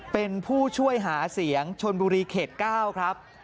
เป็นผู้ช่วยหาเสียงชนบุรีเขต๙ครับ